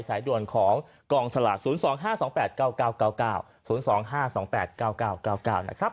สายด่วนของกองสลาก๐๒๕๒๘๙๙๙๙๙๐๒๕๒๘๙๙๙๙๙นะครับ